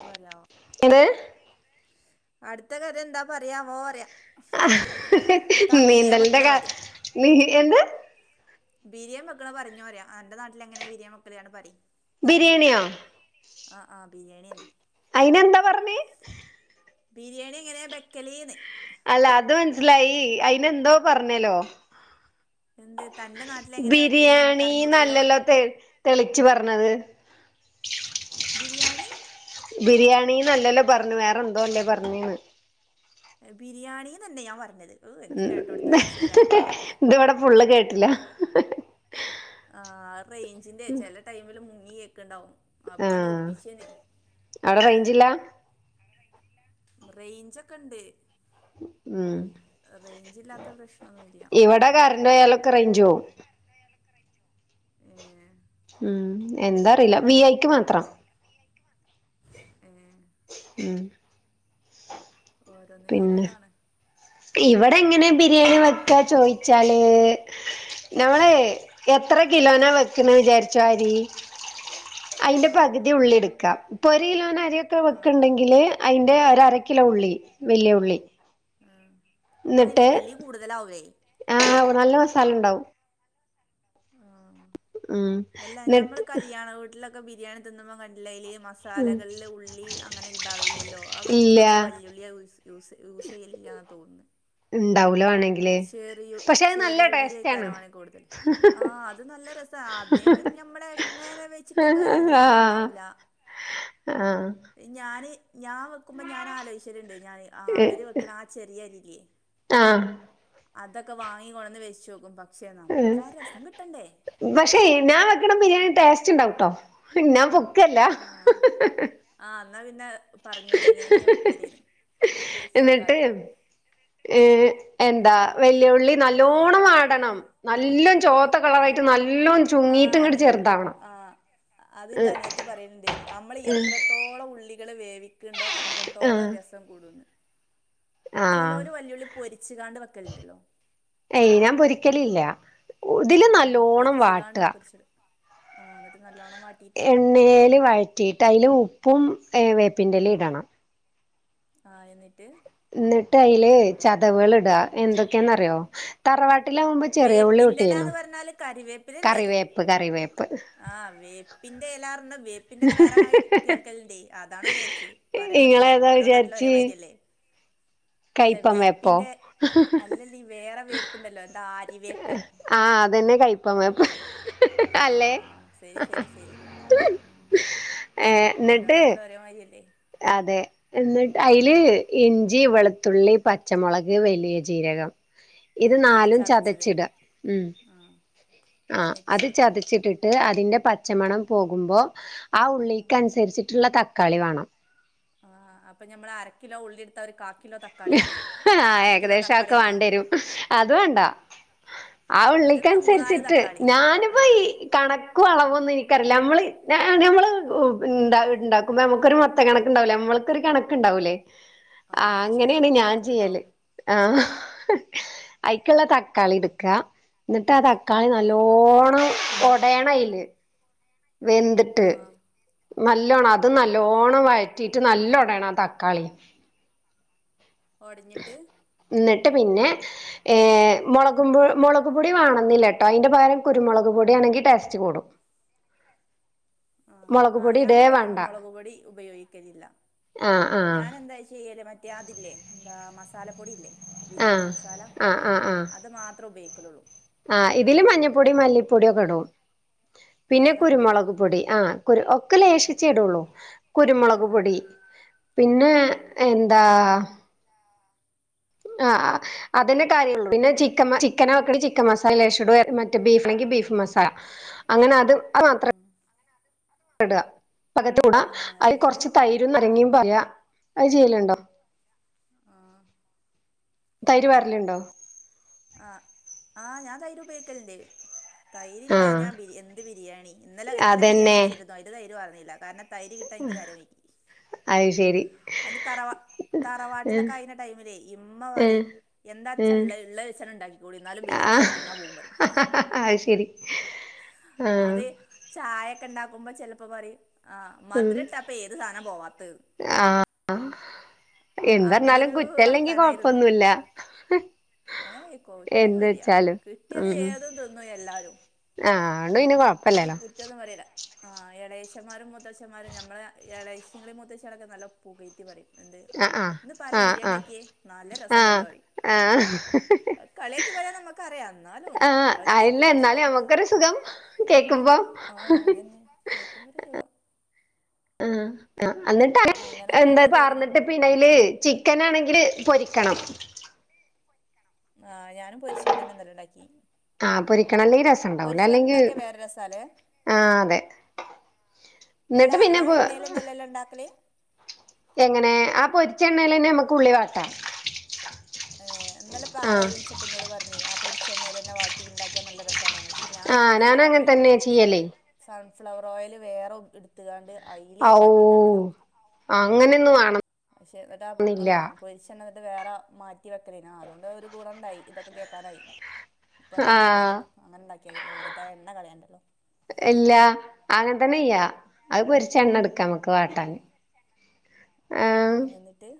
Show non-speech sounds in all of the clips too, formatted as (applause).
അഹ് പറ്യാ ആവോ എന്ത് അടുത്ത കഥ എന്താ പറയാവോ അറ്യ നീന്തൽന്റെ വെക്കണ ക പറി നീ എന്ത് ബിരിയേം വെക്ക്ണഹ് പറഞ്ഞോ അറ്യാ അന്റെ നാട്ടില് എങ്ങനെ ബിരിയേം വെക്കല് അഹ് ഇണ്ട് പറി ഞാൻ ബിരിയാണിയോ കേട്ടിരിക്കാ ബിരിയേണിയോ ആഹ് ആഹ് ബിര്യേണ്യന്നെ അയിന് എന്താ പറഞ്ഞ് ബിര്യേണി എങ്ങനേ ബെക്കല് ന്ന് അല്ല അത് മൻസിലായി അയിന് എന്തോ പറഞ്ഞല്ലോ എന്ത് തന്റെ നാട്ടിൽ എങ്ങനെയാ വെക്കലേന്ന് എനിക്കറിഞ്ഞൂടല്ലോ ബിരിയാണിന്നല്ലല്ലോ തെ തെളിച്ച് പറഞ്ഞത് ബിരിയാണി ബിരിയാണിന്നല്ലല്ലോ പറഞ്ഞ് വേറെന്തോ അല്ലേ പറഞ്ഞ്ന്ന് ബിരിയാണിന്നെന്നെ ഞാൻ പറഞ്ഞത് ഓ എനിക്ക് കേട്ടോടുത്ത് വേശീകാരം ഇത് ഇവടെ ഫുള്ള് കേട്ട്ല്ല ആഹ് അഹ് റെയ്ഞ്ചിന്റെ ചെല ടൈമില് മുങ്ങി കേക്ക്‌ണ്ടാവും അപ്പാണ്ട് ഒപ്പിച്ചേനെ അവ്ടെ റെയ്ഞ്ചില്ല റെയ്ഞ്ചൊക്കെ ഇണ്ട് ഉം ഇല്ലാത്ത പ്രശ്നമൊന്നുമില്ല ഇവടെ കരണ്ട് പോയാലൊക്കെ റെയ്ഞ്ച് പോവും ഏ ഉം എന്താറീല വി ഐക്ക് മാത്രം (inaudible) ഏ ഉം ഓരോന്നിന് ഓരോതാണ് ഇവടെ എങ്ങനെ ബിരിയാണി വെക്കാ ചോയിച്ചാല് നമ്മള് എ എത്ര കിലോനാ വെക്ക്ണ് വിചാരിച്ചോ അരി ആ അയ്ന്റെ പകുതി ഉള്ളി ഇട്ക്ക ഇപ്പം ഒരു കിലോന് അരിയൊക്കെ ആ ആ വെക്ക്ണ്ടെങ്കില് അയ്ൻ്റെ ഒരക്കിലോ ഉള്ളി വെല്യ ഉള്ളി ആഹ് അപ്പ അയ്ല് എന്നിട്ട് ഉള്ളി കൂടുതലാവെയ് ആഹ് നല്ല മസാലണ്ടാവും ആഹ് ഉം അല്ല എന്നിട്ട് ഞമ്മള് കല്യാണം വീട്ടിലൊക്കെ ബിരിയാണി തിനുമ്പം കണ്ടിലെ ഈ മസ സാലകളില് ഉള്ളി അങ്ങനെ ഉണ്ടാവലില്ലല്ലോ അവര് ഇല്ല ഇച്ചോണ്ണയ് വല്യുള്ളിയാ യൂസ് യൂസ് യൂസെയ്യലില്ലാനാ തോന്നുന്നെ ഇണ്ടാവുല മാണെങ്കി ചെറിയു ചെറിയുള്ളി ആണ് എയ്ക്കാരം മാണെ കൂടുതൽ ആഹ് അത് നല്ല രസ സാ അതേ മായിരി ഞമ്മളെങ്ങനെ വെച്ചിട്ടും ആഹ് കാര്യല്ല നന്നാവൂല ആഹ് ഞാന് ഞാൻ വെക്കുമ്പം ഞാൻ ആലോയ്ച്ചല്ണ്ട് ഞാന് ആ അവര് വെക്ക്ണ ആഹ് ചെറിയരില്ലേ ആഹ് അതൊക്കെ വാങ്ങി കൊണ്ടന്ന് വെച്ചോക്കും പ ക്ഷോ നമ്മൾതാ രസം കിട്ടണ്ടേ പക്ഷേ ഞാൻ വെക്കണ ബിരിയാണി ടേസ്റ്റ് ഉണ്ടാവട്ടോ ഞാൻ പൊക്കല്ല ആഹ് ആഹ് ഇന്നാ പിന്നെ പറഞ്ഞൂടി എങ്ങനൊക്കെയ വെക്കല്ന്ന് നമുക്ക് എന്നിട്ട് വേച്ചോക്കാലോ ഏഹ് എന്താ വെല്ലിയുള്ളി നല്ലോണ്ണം വാടണം നല്ലൊം ചോ പ്പ് ആ കളറായിട്ട് നല്ലോം ചുങ്ങീട്ട് ഇങ്ങട്ട് ചെറുതാവണം അത് ഇന്റെ അനിയത്തി പറയല്ണ്ട് നമ്മള് എത്രത്തോളം ഉള്ളികള് വേവി ക്ണ്ടോ അത്രത്തോളം ആഹ് രസം കൂടുന്. ആഹ് ചിലോല് വല്ലുളളി പൊരിച്ചുകാണ്ട് വെക്കലുണ്ടല്ലോ. ഏയ് ഞൻ പൊരിക്കലില്ല ഇതില് ആ നല്ലോണ്ണം വാട്ട. ആഹ് എന്നിട്ട് നല്ലവണം വാ എണ്ണയിൽ വഴറ്റിയിട്ട് അതിൽ ഉപ്പും വേപ്പിൻന്റെ ഇല ഇടണം. ആഹ് എന്നിട്ട്. എന്നിട്ട് അയില് ചതവുകള് ഇടാ എന്തൊക്കെയാന്നറിയോ. തറവാട്ടിലാകുമ്പോൾ ചെറിയ ഉള്ളി കൂട്ടിനു വേപ്പിൻ്റെലാന്ന് പറഞ്ഞാൽ കറിവേപ്പിലല്ലേ കറിവേപ്പ് കറിവേപ്പ്. ആഹ് വേപ്പിന്റെ ഇലാ പർഞ വേപ്പ. പിന്റ ഇല വേറെ കേൾക്കലുണ്ട് അതണോ വിചാരിച്ച് പറയാൻ പറ്റില്ലേ ഓരോ നാട്ടിലും ഒരേ മാതിരി അല്ലേ. ഉം. അല്ല വേപ്പിന്റെ അല്ലല്ല വേറെ വേപ്പുണ്ടല്ലോ. ആര്യവേപ്പോ ആഹ് അതന്നെ കയ്പ്പ വേപ്പ് അല്ലേ ആഹ് ശരി ശരി ശരി. ഏഹ് എനിട്ട്. ഒരോ. മാതിരി അല്ലേ. അതെ എന്നിട്ട് അയില് ഇഞ്ചി വെളുത്തുള്ളി പച്ചമുളക് വലിയ ജീരകം. ഇത് ആഹ് നാലും ചതച്ചത് ചതച്ചിട ഉം. ആഹ് ആ എന്നിട്ട് അത് ചതച്ചിട്ടിട്ട് അതിൻ്റെ പച്ചമണം പോകുമ്പോ. ആ ആഹ് ഉള്ളിക്കനുസരിച്ചിട്ടുള്ള തക്കാളി വേണം. ആഹ് അപ്പൊ ഞമ്മൾ അരകിലോ ഉള്ളി എടുത്ത ഒരു കാ കിലോ തക്കാളി വേണം അതോ ആഹ് അര കിലോ ഏകദേശം ഒക്കെ തക്കാളിയനെ വേണോ. വേണ്ടിവരും അത് വേണ്ടാ. ആ ഒരു ന- മൂന്നാല് ഉള്ളിക്കനുസരിച്ചിട്ട് തക്കാളി ഞാനിപ്പോ ആഹ് ഈ കണ. അളവൊന്നും എനിക്കറിയില്ല നമ്മള് നമ്മള് ഇണ്ടാക്കുമ്പോ നമുക്കൊരു മൊത്ത കണക് ഉണ്ടാവില്ല നമ്മള്. ഒക്കെ ഒരു കണക്കുണ്ടാവല്ലേ ആ ആഹ് അത് ശരി അങ്ങനെയാണ് നമ്മക്കൊരു ഞാൻ ചെയ്യല്. കണക്കുണ്ടാവും ആഹ് അയിക്കുള്ള തക്കാളി എടുക്ക എന്നിട്ട് ആ ത. തക്കാളി ആ എന്നിട്ട് നല്ലോണം ഒടയണയില് ആ വെന്ത്ട്ട്. നല്ലോണം അത് നല്ലോണം വഴറ്റിട്ട് നല്ലോ ഒടയണം ആ തക്കാളി. ഒട്ഞ്ഞിട്ട്. ഇന്നെട്ട് പിന്നെ ഏഹ് മൊളകും മൊളക് പൊടി വാണന്നില്ലട്ടോ അയിന്റെ പകരം കുരുമുളക് പൊടിയാണെങ്കിൽ ടേസ്റ്റ് കൂടും. ആഹ് മുളക് ആ പൊടി ഇടേ ഞാനും വേണ്ട വെക്കുമ്പം മൊളക് പൊടി ഉപയോഗിക്കലില്ല. ആഹ് ആഹ് ഞാനന്താ ചെയ്യല് മറ്റേ ആ അതില്ലേ എന്താ മസാലപ്പൊടിയില്ലേ? ബിരിയാണി ആഹ് മസാല ആഹ് അത് മാത്രേ ഉപയോഗിക്കലൊള്ളൂ. ആ ഇതില് മഞ്ഞപ്പൊടിം, മല്ലിപ്പൊടിയൊക്കെ ഇടും ഏ പിന്നെ അതൊക്കെ ഇടുവോ കുരുമുളക് പൊടി ആഹ് കുരു ഒക്കെ ഉം ലേഷിച്ചെയിടൊള്ളൂ കുരുമുളക് ഉം പൊടി. പിന്നെ ഉം എന്താ. ആഹ് അതന്നെ കാര്യള്ളു പിന്നെ ചിക്കം ചിക്കനാ വെക്കണങ്കി ചിക്കൻ മസാല ലേഷടും മറ്റെ ബീഫാണങ്കി ബീഫ് മസാല. അങ്ങനത് അത് മാത്ര ഉം ഇട ത്തൂടാ ആ അയില് എന്നിട്ട് കൊറച്ച് തൈരും നാരങ്ങയും പാരാ അത് ചെയ്യലുണ്ടോ? ആഹ് തൈര് പാരല്ണ്ടോ? ആഹ് ആ ഞാൻ തൈര് ഉപയോഗിക്കല്ണ്ട് ആഹ് തൈരില്ലാഞാ ബി എന്ത് ബിരിയാണി ഇന്നല ഇന്നലെ ബിരിയാണി അതന്നെ വെച്ചിരുന്നു അയില് തൈര് പാറ്ന്നില്ല കാരണം. തൈര് കിട്ടാൻ ഇനിക്ക് നേരം വൈകി. അഹ് ശരി അന്റെ തറവാ ഏഹ് തറവാട്ടിലൊക്കെ ആയിനെ ടൈമിലെ ഇമ്മ ഏഹ് പറയും ഏഹ് എന്താച്ചാള്ളെ ഇള്ളെ വെ ച്ചാണ്ട് ഇണ്ടാക്കി കൂടി ഇന്നാലും ആഹ് ബിരിയാണിയാവുമ്പം തിന്നാ പോവുന്നറിം അത് ശരി ആഹ് അത് ഈ ചായൊക്കെണ്ടാക്കുമ്പോ ചെലപ്പം പറയും ആ ഉം മധുരട്ടാപ്പൊ ഏത് സാധനാ പോവാത്തെ ആഹ് എന്തർഞ്ഞാലും അങ്ങനൊരു കുറ്റല്ലെങ്കി വർത്താനായിരുന്നു കൊഴപ്പൊന്നുല്ല ഏയ് എന്ത് കുറ്റൊന്നുല്ല്യ വെച്ചാലും കിട്ടിയത് ഉം ഉം ഏതും തിന്നും എല്ലാരും ആഹ് അഹോണ്ട് പിന്നെ അയിന് കൊഴപ്പല്ലല്ലോ കുറ്റൊന്നും പറീല്ല ആഹ് എളയ്ച്ചമ്മാരും മുത്തച്ചമ്മാരും ഞമ്മളെ എ എളയ്ച്ചങ്ങളിം മൂത്തച്ചിയളൊക്കെ നല്ലോം പുകയ്ത്തി പറയും എന്ത് ആ് ആഹ് ആഹ് ഇന്ന്പ്പാരാ ആഹ് ബിരിയാണ്ടക്കിയേ? നല്ല ആഹ് രസംണ്ടല്ലോ പറിയും ആഹ് ആഹ് അഹ് കളിയാക്കി പറയാന്നമ്മക്കറിയാം ഇന്നാലും ആഹ് അഹ് അല്ല കേക്കുമ്പൊരു എന്നാലും സുഖം നമ്മക്കൊരു സുഖം കേക്കുമ്പം ആഹ് അഹന്നെ കേക്കുമ്പൊര് സുഖം ആഹ് ആ അങ്ങനൊക്കെ ഓരോ എന്നട്ട്ത് ഇതായിരുന്നു പാർന്ന്ട്ട് പി എണ്ണയില് ചിക്കനാണെങ്കില് പൊരിക്കണം ആഹ് ഞാനും പൊരിച്ചാണ്ടന്നെ ഇന്നലെണ്ടാക്കി ആഹ് പൊരിക്കണം അല്ലെങ്കി രസംണ്ടാവൂലോ അല്ലെങ്കി വേറെ രസാലേ ആഹ് അതെ എന്നിട്ട് എല്ലാ പിന്നെ ആ പൊ എണ്ണേലെന്നല്ലല്ലോ ഇണ്ടാക്കല്? എങ്ങനെ ആ പൊരിച്ച എണ്ണേലന്നെ നമ്മക്ക് ഉള്ളി വാട്ടാം ഏ് ഇന്നെലപ്പാരോ ആഹ് വിളിച്ചപ്പോ ഇന്നോട് പറഞ്ഞ് ആ പൊരിച്ച എണ്ണേലന്നെ വാട്ടി ഇണ്ടാക്കിയാ നല്ല രസാന്നർഞ് പക്ഷേ ആഹ് ഞാനങ്ങനല്ല ഞാന് അങ്ങനെ കാട്ടല് തന്നെ സൺ ചെയ്യലേ സൺഫ്ലവർ ഓയല് വേറെ എടുത്തുകാണ്ട് അയില് വാട്ടിണ്ടാക്കലേനി ആ അങ്ങനെയൊന്നും വാണം പക്ഷെ ഇന്നെട്ടാ ആഹ് പൊരിച്ചെ എന്നഹ് ത് വേറെ മാറ്റി വെക്കലേനാ അതോണ്ട് ഒരു ഗുണം ഉണ്ടായി ഇതൊക്കെ കേക്കാനായി ആഹ് ഇപ്പണ്ട്യക്ക്യോക്ക്യാത്യല്ലോ അങ്ങനെ ണ്ടാക്ക്യാത്യല്ലോ വെുതാ എണ്ണ കളിയണ്ടല്ലോ എല്ല അങ്ങനെ തന്നെ ചെയ്യാ അഹ് ഉം. പൊരിച്ചെണ്ണ എടുക്കാ നമക്ക് വാട്ടാന് ആഹ് എന്നിട്ട്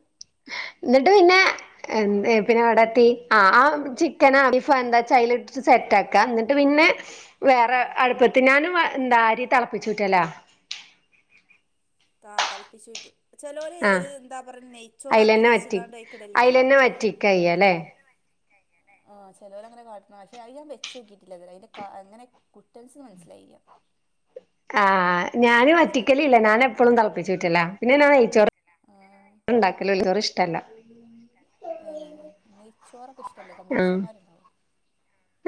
എന്നിട്ട് പിന്നെ എൻ പിന്നെ അവിടെത്തി അഹ് ആ ചിക്കനാദ്യഫന്താ ടൈലിട്ട് സെറ്റാക്കാം ന്നിട്ട് പിന്നെ വേറെ അടുപ്പ തിന്നാനും ആ എന്താ അരി തെളളപ്പിച്ചുറ്റലാ താ തെളപ്പിച്ചൂറ്റും ചിലൊര് ആ എന്താ പറയ നെയച്ചോറാക്കി അയിലന്നെ വെച് വറ്റി കാണ്ട് അയ് കിടൽണ്ടല്ലോ അയിലന്നെ വറ്റിക്കയ്യല്ലേ ആഹ് ചലവരങ്ങനെ കാട്ട പക്ഷെ അത് ഞാൻ വെച്ചോക്കിയിട്ടില്ല ഇതുവരേ അതിന്റെ ക അങ്ങനെ കുട്ടൻസ് മനസ്സിലായില്ല അഹ് ആഹ് ഞാന് ചെ വറ്റിക്കല്ല്ല്യ ഞാന് എപ്പഴും തിളപ്പിച്ചുറ്റല്ല പിന്നെ ഞാൻ നയിച്ചോറ് (unintelligible) ഇഷ്ടല്ല ഏ നെയ്ച്ചോറൊക്കെ ഇഷ്ടല്ലാത മനുഷ്യന്മാരുണ്ടാവോ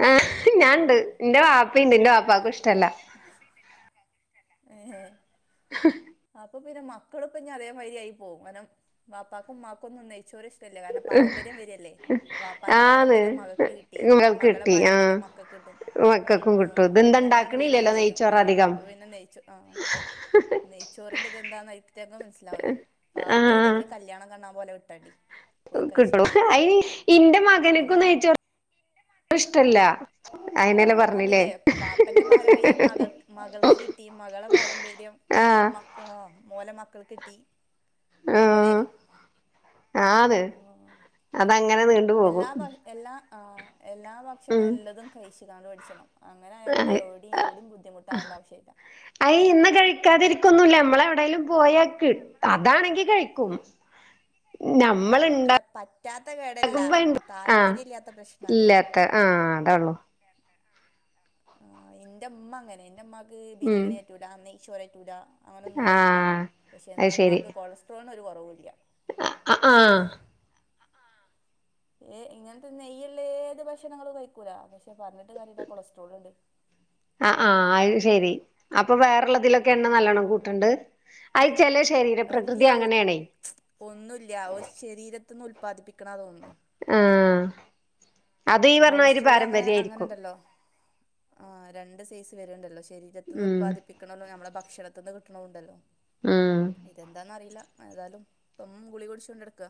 ആഹ് ഞൻണ്ട് ഉം എന്റെ വാപ്പിണ്ട് ന്റെ വാപ്പാക്കും ഇഷ്ടല്ല എഏഹ് ഹ അപ്പൊ പിന്നെ മക്കളിപ്പൊ ഞ്ഞി അതെ മായ്രി പോകും കാരണം വാപ്പാക്കും മ്മാക്കൊന്നും നെയിചോറ് ഇഷ് കാരണം പാരമ്പര്യം വെരല്ലേ വാപ്പാന്റെ ആന്ന് പാരമ്പര്യം മകക്ക് കിട്ടി ഇങ്ങൾക്ക് മക്കൾടെ കിട്ടി ആ പാരമ്പര്യം മക്ക കിട്ടും മക്കൾക്കും ആഹ് കിട്ടും ഇതെന്താ അങ്ങനങ്ങനട് വരും ഇണ്ടാക്കണില്ലല്ലോ ചെയ്യും നെയ്ച്ചോറ് ആഹ് അധികം അപ്പൊ പിന്നെ നെയിച് ആഹ് നെയ്ച്ചോറിന്റെ ഇതന്താന്ന് അയ്റ്റങ്ങെ മനസ്സിലാവില്ല പാവം ആഹ് ഏതെങ്കിലും കല്ല്യാണകണ്ടാഉ മ്പ ഓലെ വിട്ടണ്ടി പോയി കിട്ടുള്ളൂ കഴിച്ചട്ടെ അയ്ന് ഇന്റെ ആ മകന്ക് നെയ്ച്ചോ ഇഷ്ടല്ല ആഹ് അതാ പറഞ്ഞില്ലേ ബാപ്പന്റെ പാരമ്പര്യം മകൾ മകൾക്ക് കിട്ടി മകളെ പാരമ്പര്യം ആഹ് മക്കാ ഓലെ മക്കൾക്ക് കിട്ടി ആ പോരെ ആന്ന് ആഹ് അതങ്ങനെ നീ എല്ലാ ഭ എല്ലാ ആഹ് എല്ലാ ഭക്ഷണം ഉം എല്ലതും കഴിച്ചു കാണ്ട് പടിച്ചണം അങ്ങനായായ പിന്നെ എവിടിം എവിടും ബദ്ധിമുട്ടാവേണ്ട ആശ്യല്ല അയി ഇന്ന് കഴിക്കാതിരിക്കൊന്നുല്ല നമ്മളെ എവിടേലും പോയാക്ക് കിട്ട അതാണെങ്കി കഴിക്കും (inaudible) നമ്മൾ ആഹ് അല്ല പറ്റാത്ത കേടല്ല ഇണ്ടാക്കുമ്പോ ആഹ് താല്പര്യല്ലാത്ത പ്രശ്നാണ് ഇല്ലാത്ത ആഹ് അതാള്ളൂ ആഹ് എന്റെ മ്മ അങ്ങനെ എന്റെമ്മമാക്ക് ഉം ബിരിയാണ്യറ്റൂല നെയ്‌ച്ചോററ്റൂല അങ്ങനൊന്നും പറ്റൂല ആഹ് പക്ഷെ അത് എന്നാമ്മാക്ക് കൊളസ്ട്രോളിന് ഒരു കുറവുല്ല്യ അഹ് അഹ് ആഹ് ഏഹ് ഇങ്ങൻത്തെന്ന നെയ്യ്ള്ള ഏത് ഭക്ഷണങ്ങളും കഴിക്കൂല പക്ഷെ പറഞ്ട്ട് കാര്യല്ല കൊളസ്ട്രോൾ ഉണ്ട് ആഹ് ആഹ് അത് ശെരി അപ്പൊ വേറള്ളതിലൊക്കെ എണ്ണ നല്ലോണം കൂട്ട്ണ്ട് അഹ് ചെലേ ശരീര പ്രകൃതി അല്ല അങ്ങനേണ് ഒന്നുല്ല ശരീരത്ത്ന്ന് ഉല്പാദിപ്പിക്കണ തോന്നുന്നു ആഹ് അത് ഈ പറഞ്ഞമാതിരി കൊളസ്ട്രോള് അങ്ങനെ പാരമ്പര്യായിരിക്കും അങ്ങനെണ്ടല്ലോ ആഹ് രണ്ട് സൈസ് വര്ണ്ടല്ലോ ശരീരത്തിന്ന് ഉം ഉല്പാദിപ്പിക്കണല്ലോ നമ്മളെ ഭക്ഷണത്തിന്ന് കിട്ടണുണ്ടല്ലോ ഉം ഇതെന്താന്ന് അറിയില്ല ഏതാലും ഇപ്പം ഗുളികുടിചോണ്ടട്ക്ക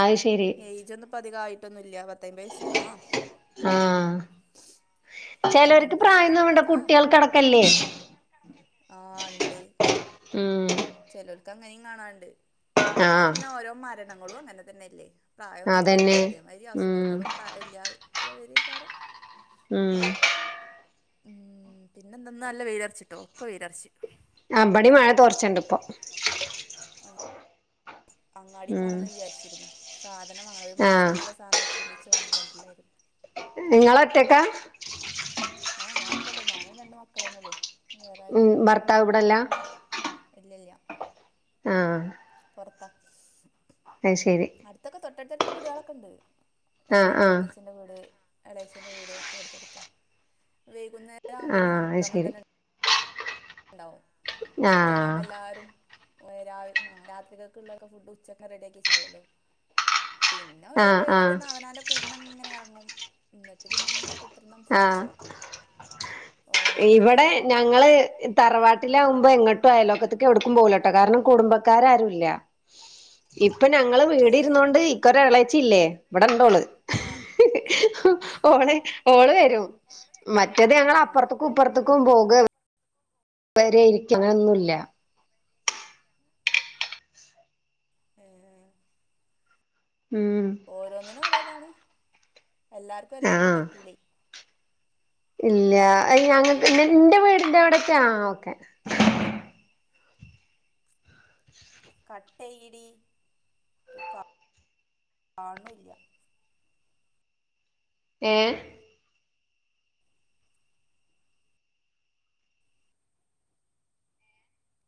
ആഹ് ശെരി ഏയ്ജ് ഒന്നും ഇപ്പ അതികം ആയിട്ടൊന്നും ഇല്ല. പത്തയ്മ്പത് വയസ് ആഹ്. ആഹ് ചെലോർക്ക് എന്താ പ്രായം ഒന്നും വേണ്ട. കുട്ട്യേൾക്ക് അടക്കം ഇല്ലേ. ആഹ് ഇണ്ട്. ഉം ചെലോൽക്ക് അങ്ങനിം കാണാണ്ട്. ഇപ്പൊ ആഹ് തന്ന ഓരോ മരണങ്ങളും അങ്ങനെ തന്നെയല്ലെ. പ്രായമൊന്നും ഇല്യല്ലോ. അതന്നെ അതേമാതിരി ഉം അസുഖങ്ങളും പ്രായം ഇല്ലാതെ വരേകാരം. ഉം ഉം പിന്നെന്ത ഇന്ന് നല്ല വെയിലെറിച്ചിട്ടൊ. ഇപ്പം വെയിലറ്ച്ച്. ആഹ് ഇബടിം മഴ തോറ്ച്ണ്ട് ഇപ്പം. അങ്ങാടി ഉം പോണംന്ന് വിചാരിച്ചിരുന്നു. സാധനം വാങ്ങണം. ഒരു ആഹ് മാസത്തിനുള്ള സാനം ഒരുമിച്ച് വാങ്ങിക്കൊണ്ടര്ലായിരുന്നു. നിങ്ങള് ഒറ്റക്കാ. ആഹ് ഞാൻ ഒറ്റക്ക. ഞാനും രണ്ട് മക്കളെന്നെ ഒള്ളു വേറെ ആരും ഉം ഇല്ല. ഭർത്താവ് ഇവിടല്ല ഇല്യല്ല. ആഹ് പൊറത്ത അത് ശരി അടുത്തൊക്കെ തൊട്ടട്ടട്ത്തത്ത് വീടുകളൊക്കെ ഇണ്ട്. ആഹ് ഏള ആഹ് മൂത്തച്ഛന്റെ വീട്. എളേച്ചന്റെ വീട് ഒക്കെ അടുത്തെട്ത്ത. വൈകുന്നേരം ആവുമ്പോ ഒരു ആഹ് അത് സംഗമം ശരി തന്നെ ഇണ്ടാവും. ആഹ് ടൈം ആകുമ്പ എല്ലാരും. രാത്രിക്കൊക്കെ ഇള്ള ഫുഡ് ഉച്ചക്കെ റെഡി ആക്കിവെച്ചിട്ട് ഇണ്ടാവൊല്ലോ. പിന്നെ ആഹ് ഒരോരോര് ആഹ് തന്നെ അവനാന്റെ കുടിന്ന് അങ്ങനെ എറങ്ങും. ഇന്നട്ട് പിന്നെ ഇങ്ങനെ കുത് എത്രണം (unintelligible) (unintelligible) ആഹ് ശുംഓരോന്ന് ഓരോന്ന് തറവാട്ടില് ആകുമ്പം എങ്ങോട്ടും അയലോക്കത്ത്ക്ക് എവിടുക്കും പോവുലട്ടൊ കാരണം കുടും ക്കാരാരുല്ല. ഇപ്പൊ ഞങ്ങള് ഏ വീട് ഇരുന്നോണ്ട് ഇക്കൊരെ എളെച്ചി ഇല്ലെ. ഇവിടെ ഇണ്ടോള് ആ ഓളെ വെരും. മറ്റേത് ഞങ്ങൾ ആ അപ്പുറത്തും ഇപ്പറ്ത്തുക്കും പോകെ വരെ ഇരിക്കെ അങ്ങനെ ഒന്നും ഇല്ല. ഏഹ് ഉം ഓരോന്നിനും ഓരോ ഇതാണ്. എല്ലാർക്കും എല്ലോട്ത്തും ആഹ് പറ്റൂലേ. ഇല്ല അയ്ൻ ഞങ്ങക് ഇന്റെ വീടിന്റെ ഔടെക്ക്യ. ആഹ് ഓക്കെ. (inaudible) കട്ടയ്യിടീ. ഇത് ക കാണൂല്ല. ഏഹ്